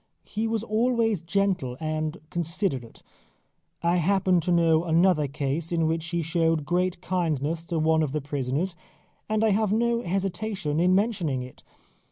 He was always gentle and considerate. I happen to know another case in which he showed great kindness to one of the prisoners, and I have no hesitation in mentioning it.